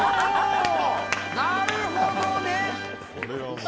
なるほどね。